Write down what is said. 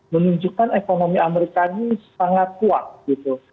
menunjukkan ekonomi amerikanya sangat kuat gitu